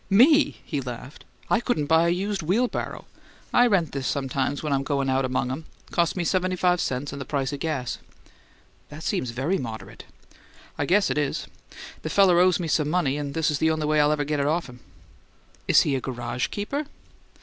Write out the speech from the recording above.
"Me?" he laughed. "I couldn't buy a used wheelbarrow. I rent this sometimes when I'm goin' out among 'em. Costs me seventy five cents and the price o' the gas." "That seems very moderate." "I guess it is! The feller owes me some money, and this is the only way I'd ever get it off him." "Is he a garage keeper?"